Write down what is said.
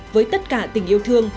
với tất cả tình yêu thương